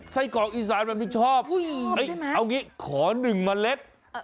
ไส้กรอกอีสานแบบที่ชอบเอ้ยขอหนึ่งเมล็ด